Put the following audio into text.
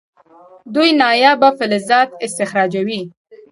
دوی نایابه فلزات استخراجوي.